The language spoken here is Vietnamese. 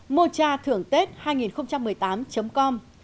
mô tra thưởng tết hai nghìn một mươi tám com